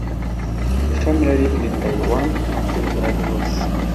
The family lived in Taiwan until their divorce.